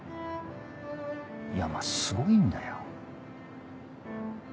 いやまぁすごいんだよ。